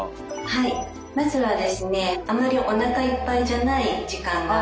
はいまずはですねあまりおなかいっぱいじゃない時間が。